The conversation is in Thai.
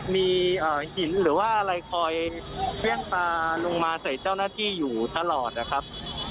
มีหินหรือว่าอะไรคอยเครื่องปลาลงมาใส่เจ้าหน้าที่อยู่ตลอดนะครับ